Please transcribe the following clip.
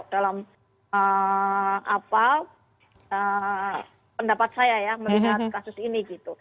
dalam pendapat saya ya melihat kasus ini gitu